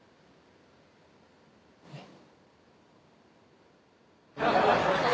えっ？